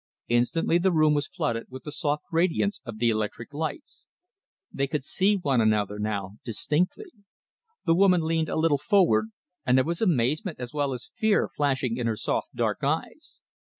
Instantly the room was flooded with the soft radiance of the electric lights. They could see one another now distinctly. The woman leaned a little forward, and there was amazement as well as fear flashing in her soft, dark eyes.